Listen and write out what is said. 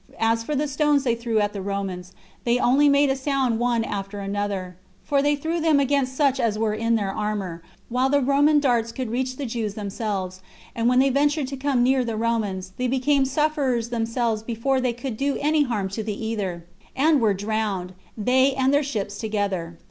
As for the stones they threw at the Romans, they only made a sound one after another, for they threw them against such as were in their armor, while the Roman darts could reach the Jews themselves; and when they ventured to come near the Romans, they became sufferers themselves before they could do any harm to the ether, and were drowned, they and their ships together.